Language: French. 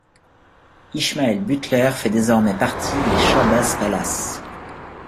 Ishmael Butler fait désormais partie des Shabazz Palaces.